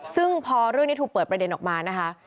ซึ่งพอเรื่องนี้ถูกเปิดประเด็นออกมานะคะ